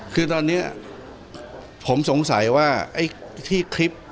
คือตอนนี้ผมสงสัยว่าไอ้ที่คลิป